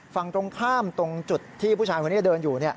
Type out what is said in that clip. ฝั่งตรงข้ามตรงจุดที่ผู้ชายคนนี้เดินอยู่